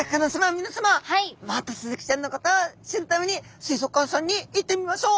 みなさまもっとスズキちゃんのことを知るために水族館さんに行ってみましょう。